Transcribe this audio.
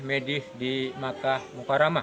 medis di makkah mukarramah